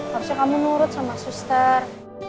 harusnya kamu nurut sama suster